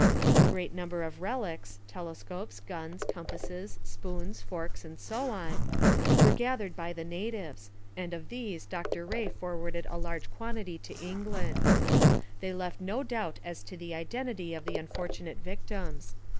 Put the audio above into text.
A great number of relics telescopes, guns, compasses, spoons, forks, and so on were gathered by the natives, and of these Dr Rae forwarded a large quantity to England. They left no doubt as to the identity of the unfortunate victims.